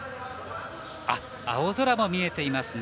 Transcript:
青空も見えてきました。